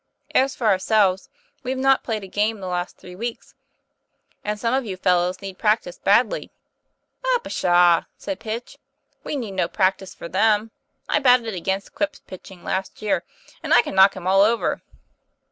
As for ourselves, we have not played a game the last three weeks, and some of you fellows need practice badly." " Oh, pshaw!" said Pitch, " we need no practice for them. I batted against Quip's pitching last year, and I can knock him all over."